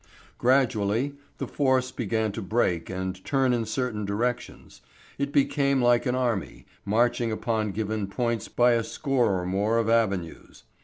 Gradually the force began to break and turn in certain directions. It became like an army marching upon given points by a score or more of avenues.